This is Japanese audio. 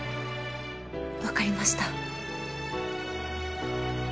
分かりました。